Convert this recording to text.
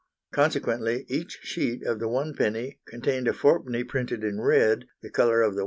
Consequently each sheet of the 1d. contained a 4d. printed in red, the colour of the 1d.